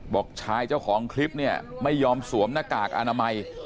บอกชายเจ้าของคลิปเนี่ยไม่ยอมสวมหน้ากากอนามัย